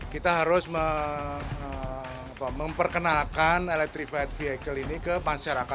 kita harus memperkenalkan electrified vehicle ini ke masyarakat